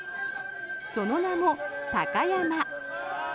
その名も鷹山。